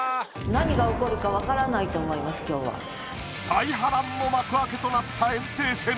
大波乱の幕開けとなった炎帝戦。